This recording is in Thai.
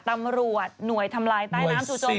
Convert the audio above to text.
ตำรวจหน่วยทำลายใต้น้ำจู่จม